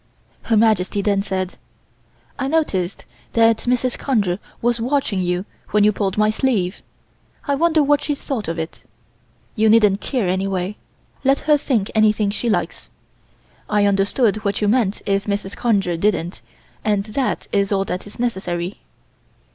Her Majesty then said: "I noticed that Mrs. Conger was watching you when you pulled my sleeve. I wonder what she thought of it. You needn't care, anyway. Let her think anything she likes. I understood what you meant if Mrs. Conger didn't, and that is all that is necessary."